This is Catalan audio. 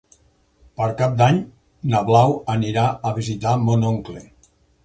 Per Cap d'Any na Blau anirà a visitar mon oncle.